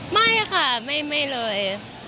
ไม่ค่ะไม่เลย